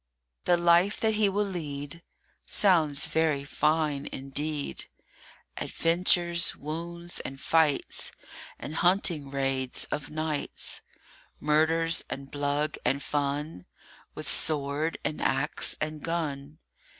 THE life that he will lead Sounds very fine indeed: Adventures, wounds, and fights, And hunting raids of nights; Murders and blug and fun With sword and axe and gun.